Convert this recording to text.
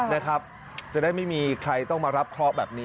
นะครับจะได้ไม่มีใครต้องมารับเคราะห์แบบนี้